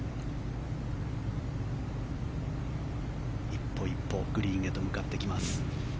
一歩一歩グリーンへと向かってきます。